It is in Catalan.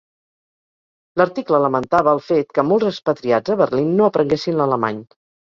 L'article lamentava el fet que molts expatriats a Berlín no aprenguessin l'alemany.